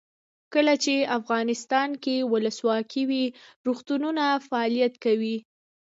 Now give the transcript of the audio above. کله چې افغانستان کې ولسواکي وي روغتونونه فعالیت کوي.